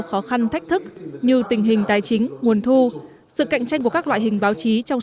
khó khăn thách thức như tình hình tài chính nguồn thu sự cạnh tranh của các loại hình báo chí trong